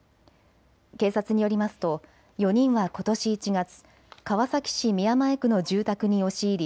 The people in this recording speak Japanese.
警察によりますと４人はことし１月、川崎市宮前区の住宅に押し入り